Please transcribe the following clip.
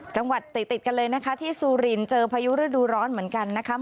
จังหวัดติดติดกันเลยนะคะที่ซูรินเจอพายุฤดูร้อนเหมือนกันนะคะ